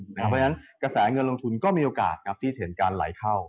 เพราะฉะนั้นกระแสเงินลงทุนก็มีโอกาสที่จะเห็นการไหลเข้า